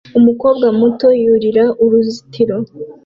Umukobwa muto yurira uruzitiro